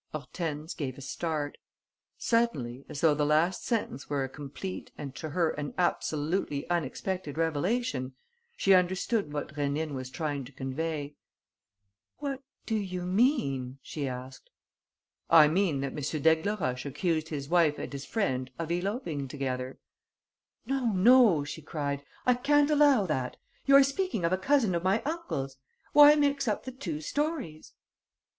Hortense gave a start. Suddenly, as though the last sentence were a complete and to her an absolutely unexpected revelation, she understood what Rénine was trying to convey: "What do you mean?" she asked. "I mean that M. d'Aigleroche accused his wife and his friend of eloping together." "No, no!" she cried. "I can't allow that!... You are speaking of a cousin of my uncle's? Why mix up the two stories?"